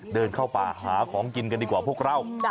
เดินเข้าป่าหาของกินกันดีกว่าพวกเรา